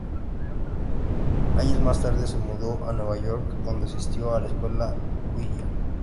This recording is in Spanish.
Años más tarde, se mudó a Nueva York, donde asistió a la Escuela Juilliard.